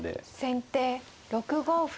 先手６五歩。